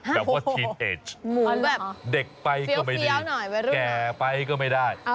แต่ว่าทีนเอดเหมือนแบบเด็กไปก็ไม่ได้แก่ไปก็ไม่ได้